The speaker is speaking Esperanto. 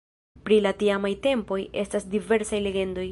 Pri la tiamaj tempoj estas diversaj legendoj.